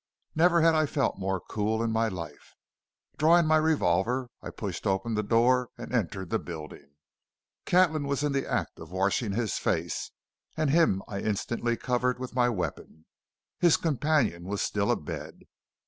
Never had I felt more cool in my life. Drawing my revolver, I pushed open the door and entered the building. Catlin was in the act of washing his face, and him I instantly covered with my weapon. His companion was still abed.